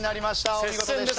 お見事でした。